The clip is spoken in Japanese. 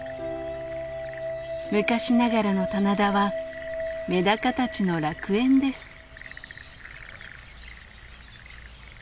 昔ながらの棚田はメダカたちの楽園です。